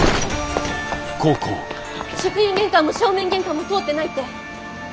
職員玄関も正面玄関も通ってないって。